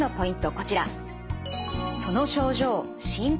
こちら。